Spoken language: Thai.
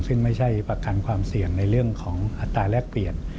ซึ่งไม่ใช่ประกันความเสี่ยงในเรื่องของอัตราแรกเปลี่ยน